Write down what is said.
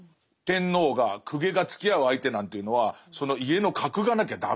天皇が公家がつきあう相手なんていうのはその家の格がなきゃ駄目だっていうね